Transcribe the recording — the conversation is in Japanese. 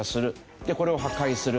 でこれを破壊する。